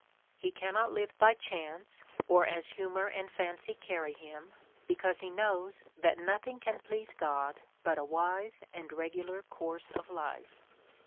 He cannot live by chance, or as humour and fancy carry him_, because he knows that nothing can please God but a wise and regular course of life.